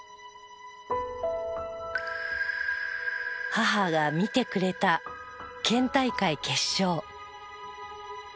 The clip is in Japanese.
母が見てくれた県大会決勝。